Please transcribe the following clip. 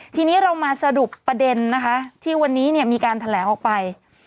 ทีนี้เรามาสรุปประเด็นนะคะที่วันนี้มีการแถลงออกไป